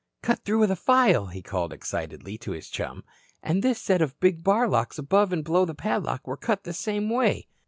"Cut through with a file," he called excitedly to his chum. "And this set of big bar locks above and below the padlock were cut the same way."